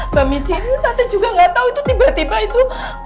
mbak michi ini tata juga gak tau itu tiba tiba itu